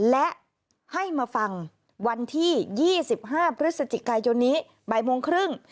และให้มาฟังวันที่๒๕พฤศจิกายนนี้บ่ายโมงครึ่ง